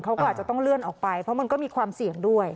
เขาก็อาจจะต้องเลื่อนออกไปเพราะมันก็มีความเสี่ยงด้วย